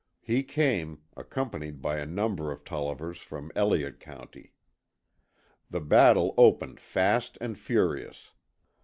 He came, accompanied by a number of Tollivers from Elliott County. The battle opened fast and furious.